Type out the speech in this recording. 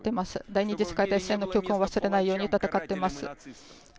第二次世界大戦の教訓を忘れないように戦っています。